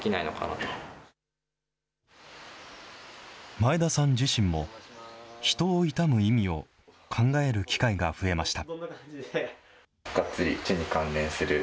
前田さん自身も、人を悼む意味を考える機会が増えました。